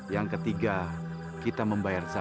yang ketiga kita membayar zakat